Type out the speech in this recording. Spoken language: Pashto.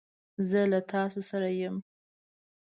زه له تاسو سره یم.